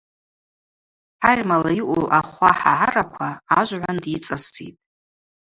Хӏагъьмала йаъу ахва хӏагӏараква ажвгӏванд йыцӏаситӏ.